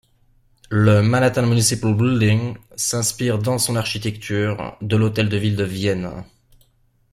Le Manhattan Municipal Building s'inspire, dans son architecture, de l'hôtel de ville de Vienne.